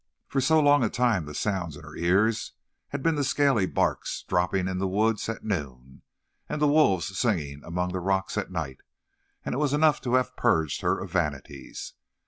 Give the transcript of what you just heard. For so long a time the sounds in her ears had been the scaly barks dropping in the woods at noon, and the wolves singing among the rocks at night, and it was enough to have purged her of vanities.